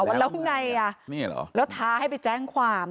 ว่าแล้วไงเนี่ยอย่างเนี่ยเหรอแล้วถากให้ไปแจ้งความ